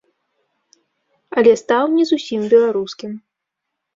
Але стаў не зусім беларускім.